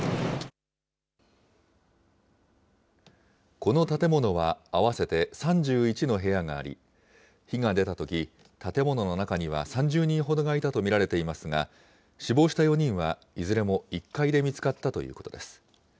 この建物は、合わせて３１の部屋があり、火が出たとき、建物の中には３０人ほどがいたと見られていますが、死亡した４人はいずれも１階で見つかったということです。